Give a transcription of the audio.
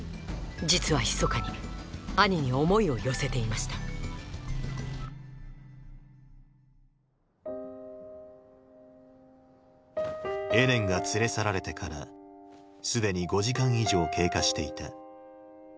実はひそかにアニに思いを寄せていましたエレンが連れ去られてからすでに５時間以上経過していた。